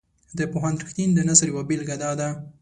د پوهاند رښتین د نثر یوه بیلګه داده.